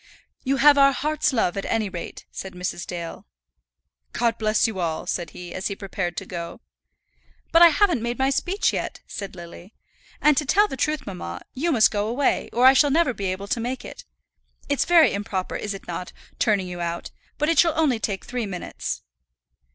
"You have our hearts' love, at any rate," said Mrs. Dale. "God bless you all!" said he, as he prepared to go. "But I haven't made my speech yet," said Lily. "And to tell the truth, mamma, you must go away, or I shall never be able to make it. It's very improper, is it not, turning you out, but it shall only take three minutes."